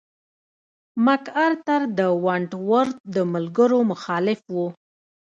مک ارتر د ونټ ورت د ملګرو مخالف و.